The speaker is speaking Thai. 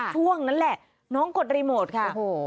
ช่วงนั้นแหละน้องกดรีโมทค่ะ